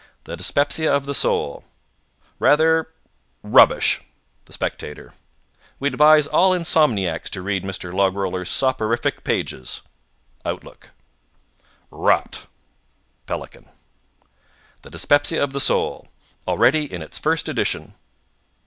THE DYSPEPSIA OF THE SOUL "Rather ... rubbish." Spectator "We advise all insomniacs to read Mr. Logroller's soporific pages." Outlook "Rot." Pelican THE DYSPEPSIA OF THE SOUL Already in its first edition.